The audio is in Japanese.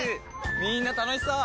みんな楽しそう！